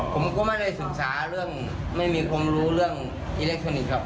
ผมก็ไม่ได้ศึกษาเรื่องไม่มีความรู้เรื่องอิเล็กทรอนิกส์ครับ